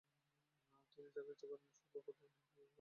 তিনি যাকে ইচ্ছে সরল পথে পরিচালিত করেন।